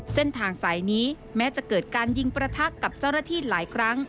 เส้นทางสายนี้แม้จะเกิดการยิงประทักกับเจ้าหน้าที่หลายครั้ง